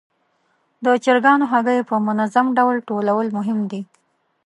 د چرګانو هګۍ په منظم ډول ټولول مهم دي.